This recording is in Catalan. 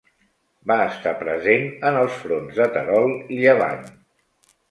Va estar present en els fronts de Terol i Llevant.